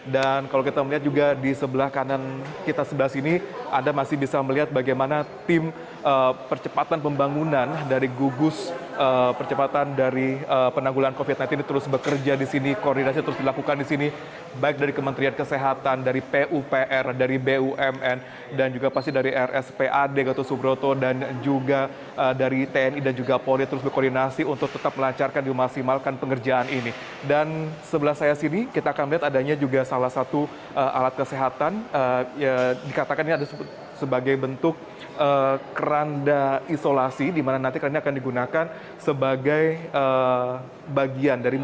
dan kalau kita melihat juga di sebelah kanan kita sebelah sini anda masih bisa melihat bagaimana tim percepatan pembangunan dari gugus percepatan dari penanggulan covid sembilan belas ini terus bekerja di sini koordinasi terus dilakukan di sini